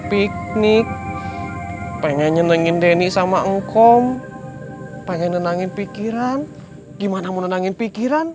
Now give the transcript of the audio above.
piknik pengen nyenengin deni sama engkom pengen nyenangin pikiran gimana mau nyenangin pikiran